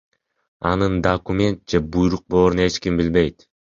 Анын документ же буйрук болорун эч ким билбейт.